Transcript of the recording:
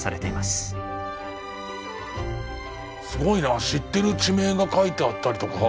すごいな知ってる地名が書いてあったりとか。